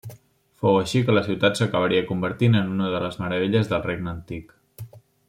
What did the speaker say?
Fou així que la ciutat s'acabaria convertint en una de les meravelles del regne antic.